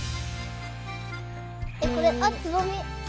えっこれあっつぼみ。